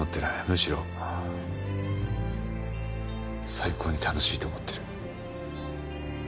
むしろ最高に楽しいと思ってる。